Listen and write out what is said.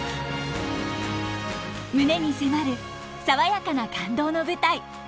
胸に迫る爽やかな感動の舞台